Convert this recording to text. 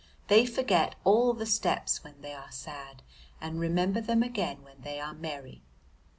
They forget all the steps when they are sad and remember them again when they are merry.